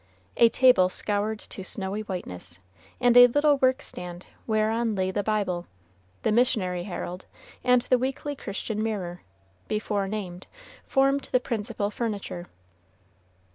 A table scoured to snowy whiteness, and a little work stand whereon lay the Bible, the "Missionary Herald" and the "Weekly Christian Mirror," before named, formed the principal furniture.